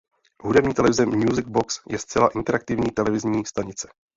Hudební televize Music Box je zcela interaktivní televizní stanice.